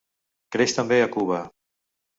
Creix també a Cuba.